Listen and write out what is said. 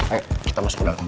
ayo kita masuk ke dalam